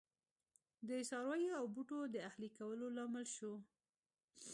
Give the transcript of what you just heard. د څارویو او بوټو د اهلي کولو لامل شو.